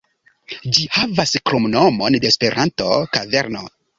Ĝi havas kromnomon de Esperanto, "Kaverno".